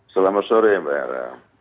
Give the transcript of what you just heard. selamat sore mbak yara